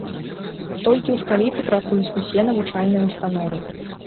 Толькі ў сталіцы працуюць усе навучальныя ўстановы.